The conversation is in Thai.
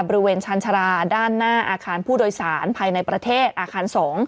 บริเวณชาญชาราด้านหน้าอาคารผู้โดยสารภายในประเทศอาคาร๒